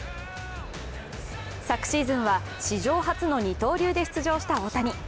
昨シーズンは史上初の二刀流で出場した大谷。